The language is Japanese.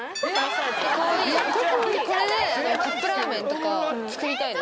これでカップラーメンとか作りたいです。